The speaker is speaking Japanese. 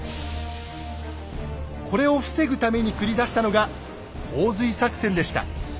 これを防ぐために繰り出したのが洪水作戦でした。